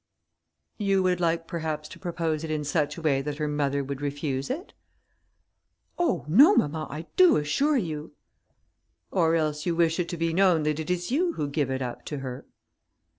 "You would like perhaps to propose it in such a way that her mother would refuse it?" "Oh! no, mamma, I do assure you." "Or else you wish it to be known that it is you who give it up to her?"